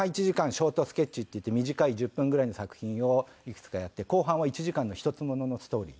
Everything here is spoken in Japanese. ショートスケッチっていって短い１０分ぐらいの作品をいくつかやって後半は１時間の１つもののストーリー。